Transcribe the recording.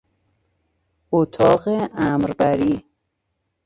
اتاق امربری